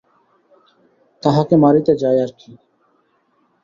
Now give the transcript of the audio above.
তাহাকে মারিতে যায় আর কি!